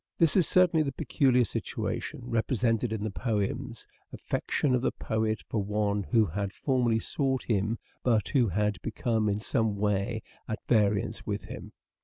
This is certainly the peculiar situation repre sented in the poems : affection of the poet for one who had formerly sought him but who had become in some way at variance with him.